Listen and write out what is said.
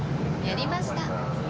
やりました！